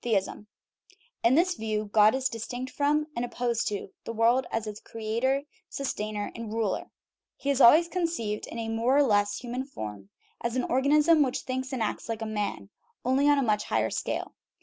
THEISM In this view God is distinct from, and opposed to, the world as its creator, sustainer, and ruler. He is al ways conceived in a more or less human form, as an organism which thinks and acts like a man only on a much higher scale.